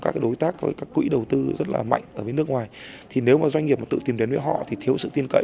các đối tác với các quỹ đầu tư rất là mạnh ở nước ngoài thì nếu doanh nghiệp tự tìm đến với họ thì thiếu sự tin cậy